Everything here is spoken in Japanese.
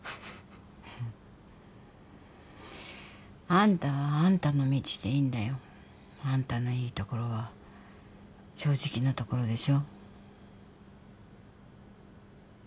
あんたはあんたの道でいいんだよ。あんたのいいところは正直なところでしょ。